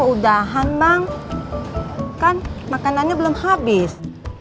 keudahan bang kan makanannya belum habis